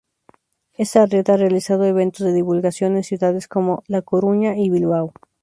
Esta red ha realizado eventos de divulgación en ciudades como La Coruña y Bilbao.